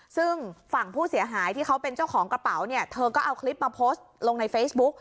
ซึ่งฝั่งผู้เสียหายที่เขาเป็นเจ้าของกระเป๋าเนี่ยเธอก็เอาคลิปมาโพสต์ลงในเฟซบุ๊ก